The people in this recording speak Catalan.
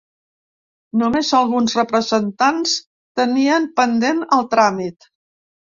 Només alguns representants tenien pendent el tràmit.